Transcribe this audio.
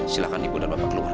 silahkan ibu dan bapak keluarga